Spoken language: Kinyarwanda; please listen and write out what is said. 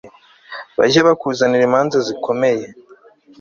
bajye bakuzanira imanza zikomeye